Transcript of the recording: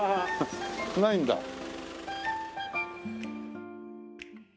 ないんだ。